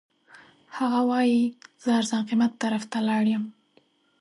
هغه وایي زه ارزان قیمت طرف ته لاړ یم.